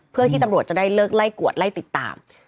เพื่อที่ตำรวจจะได้เลิกไล่กวดไล่ติดตาม